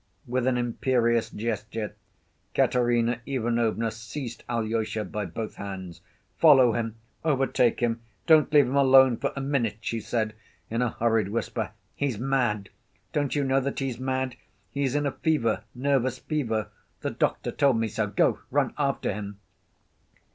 With an imperious gesture, Katerina Ivanovna seized Alyosha by both hands. "Follow him! Overtake him! Don't leave him alone for a minute!" she said, in a hurried whisper. "He's mad! Don't you know that he's mad? He is in a fever, nervous fever. The doctor told me so. Go, run after him...."